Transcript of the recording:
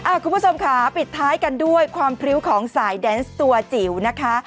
คุณผู้ชมค่ะปิดท้ายกันด้วยความพริ้วของสายแดนส์ตัวจิ๋วนะคะ